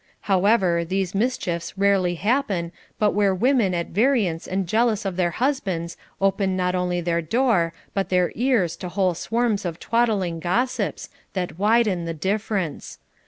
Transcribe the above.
t However, these mischiefs rarely happen but where women at variance and jealous of their husbands open not only their door but their ears to whole swarms of twattling gos sips, that widen the difference.